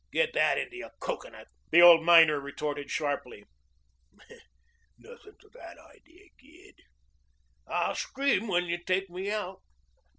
Get that into your cocoanut," the old miner retorted sharply. "Nothing to that idee, Gid." "I'll scream when you take me out."